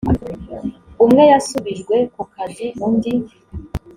umwe yasubijwe ku kazi undi